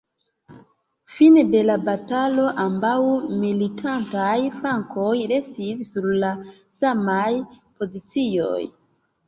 Fine de la batalo ambaŭ militantaj flankoj restis sur la samaj pozicioj.